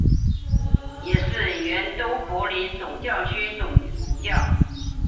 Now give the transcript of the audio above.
也是原都柏林总教区总主教。